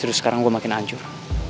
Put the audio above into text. terus sekarang gue makin hancur